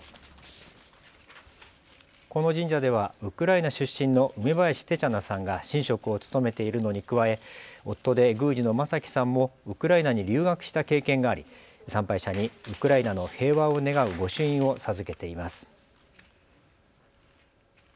この神社ではウクライナ出身の梅林テチャナさんが神職を務めているのに加え、夫で宮司の正樹さんもウクライナに留学した経験があり参拝者にウクライナの平和を願う御朱印を授けています。